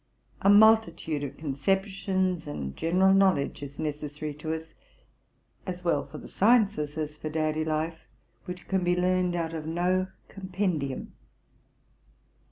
i' multi tude of conceptions and general knowledge is necessary to us, as well for the sciences as for daily life, which can be learned out of no compendium.